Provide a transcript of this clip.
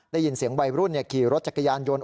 ได้ยินเสียงวัยรุ่นขี่รถจักรยานยนต์